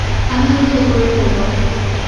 আমিও দ্রুত করে ফেলবো।